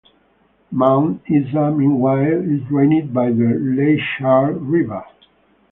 Mount Isa meanwhile is drained by the Leichardt River.